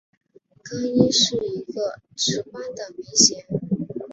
更衣是一个职官的名衔。